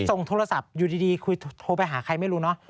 ส่งโทรศัพท์อยู่ดีคุยโทรไปหาใครไม่รู้เนอะ